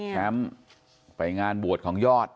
แชมป์ไปงานบวชของยอด